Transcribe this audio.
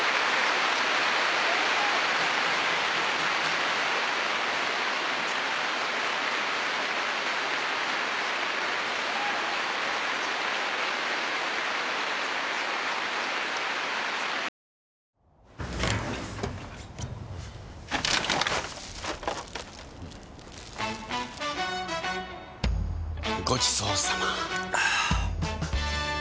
はぁごちそうさま！